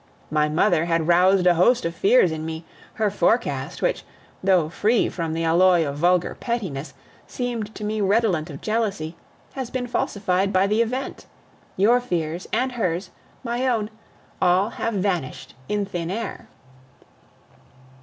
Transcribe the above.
My mother had roused a host of fears in me; her forecast, which, though free from the alloy of vulgar pettiness, seemed to me redolent of jealousy, has been falsified by the event. Your fears and hers, my own all have vanished in thin air!